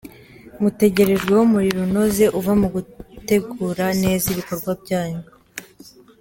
Mutegerejweho umurimo unoze uva mu gutegura neza ibikorwa byanyu.